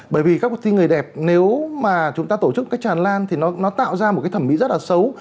bởi vì các cuộc thi người đẹp nếu mà chúng ta tổ chức một cách tràn lan thì nó tạo ra một cái thẩm mỹ rất là xấu